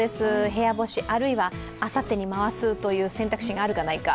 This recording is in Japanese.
部屋干し、あるいはあさってに回すという選択肢があるかないか。